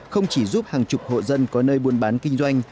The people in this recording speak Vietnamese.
không chỉ giúp hàng chục hộ dân có nơi buôn bán kinh doanh